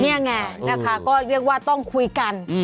นี่ไงนะคะก็เรียกว่าต้องคุยกัน